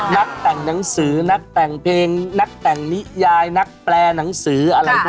นักแต่งหนังสือนักแต่งเพลงนักแต่งนิยายนักแปลหนังสืออะไรนะ